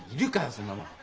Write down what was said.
そんなもん。